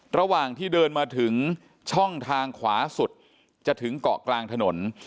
ระหว่างที่เดินมาถึงช่องทางขวาสุดจะถึงเกาะกลางถนน